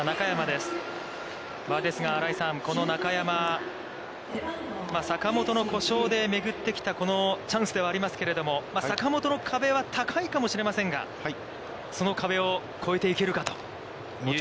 ですが、新井さん、この中山、坂本の故障でめぐってきたチャンスではありますけれども、坂本の壁は高いかもしれませんが、その壁を超えていけるかという。